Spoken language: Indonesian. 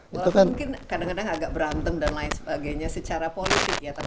walaupun mungkin kadang kadang agak berantem dan lain sebagainya secara politik ya